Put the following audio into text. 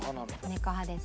猫派です。